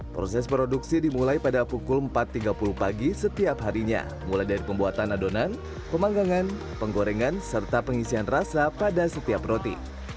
proses produksi dimulai pada pukul empat tiga puluh pagi setiap harinya mulai dari pembuatan adonan pemanggangan penggorengan serta pengisian rasa pada setiap roti